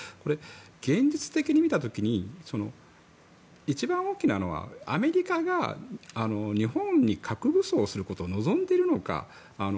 現実的に見た時に一番大きなのはアメリカが日本に核武装をすることを望んでいるのか。